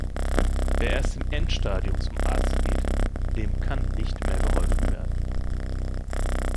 Wer erst im Endstadium zum Arzt geht, dem kann nicht mehr geholfen werden.